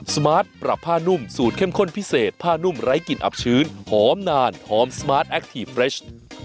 สมาร์ทปรับผ้านุ่มสูตรเข้มข้นพิเศษผ้านุ่มไร้กลิ่นอับชื้นหอมนานหอมสมาร์ทแอคทีฟเรช